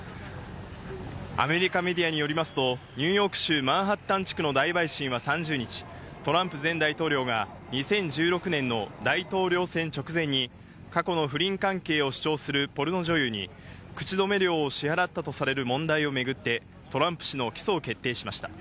アメリカメディアによりますと、ニューヨーク州マンハッタン地区の大陪審は３０日、トランプ前大統領が２０１６年の大統領選直前に、過去の不倫関係を主張するポルノ女優に口止め料を支払ったとされる問題をめぐってトランプ氏の起訴を決定しました。